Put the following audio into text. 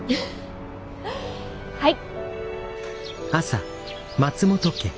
はい！